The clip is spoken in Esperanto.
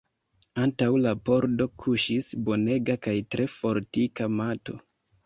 Antaŭ la pordo kuŝis bonega kaj tre fortika mato.